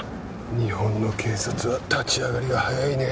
日本の警察は立ち上がりが早いね。